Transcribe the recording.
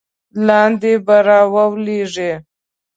لاندې به را ولویږې.